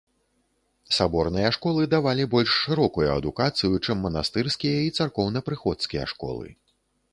Саборныя школы давалі больш шырокую адукацыю, чым манастырскія і царкоўнапрыходскія школы.